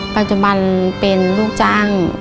ปัจจุบันเป็นลูกจ้าง